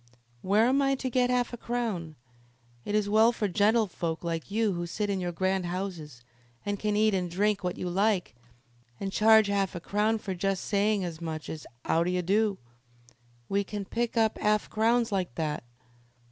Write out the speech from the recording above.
"Where am I to get 'arf a crown? It is well for gentlefolk like you who sit in your grand houses, and can eat and drink what you like, an' charge 'arf a crown for just saying as much as, ''Ow d'ye do?' We can't pick up' arf crowns like that.